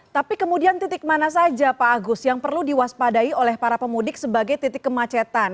tapi kemudian titik mana saja pak agus yang perlu diwaspadai oleh para pemudik sebagai titik kemacetan